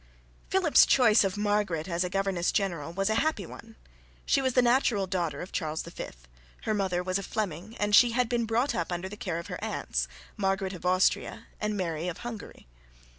Philip's choice of Margaret as governess general was a happy one. She was a natural daughter of Charles V. Her mother was a Fleming, and she had been brought up under the care of her aunts, Margaret of Austria and Mary of Hungary.